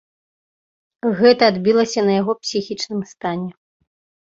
Гэта адбілася на яго псіхічным стане.